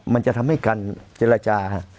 มันจะทำให้การเจรจา